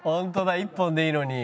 １本でいいのに。